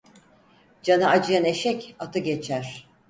Canı acıyan eşek, atı geçer.